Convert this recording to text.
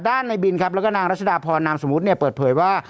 ด้านในบิลข้าแล้วก็นางรัชดาพรนางสมมุติเนี้ยเปิดเผยว่า